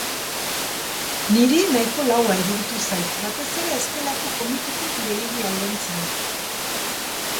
Niri nahiko laua iruditu zait, batez ere ez delako komikitik gehiegi aldentzen.